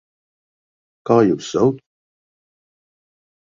Kā jūs sauc?